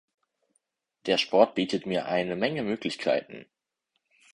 Der Sport bietet mir eine Menge Möglichkeiten.